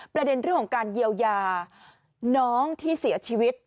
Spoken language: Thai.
ประเด็นเรื่องของการเยียวยาน้องที่เสียชีวิต